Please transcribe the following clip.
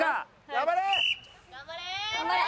頑張れ！